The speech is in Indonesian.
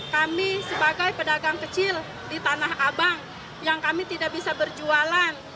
kami sebagai pedagang kecil di tanah abang yang kami tidak bisa berjualan